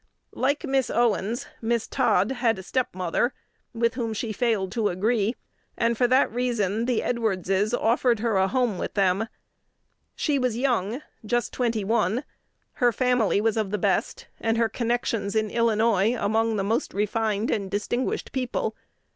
Like Miss Owens, Miss Todd had a stepmother, with whom she failed to "agree," and for that reason the Edwardses offered her a home with them. She was young, just twenty one, her family was of the best, and her connections in Illinois among the most refined and distinguished people.